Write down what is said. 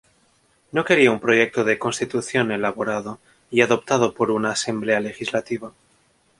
No quería un proyecto de "constitución" elaborado y adoptado por una asamblea legislativa.